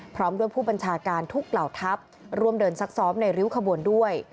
พร้อมด้วยผู้บัญชาการทุกเหล่าทัพร่วมเดินซักซ้อมในริ้วขบวนด้วย